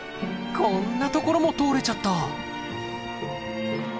こんなところも通れちゃった！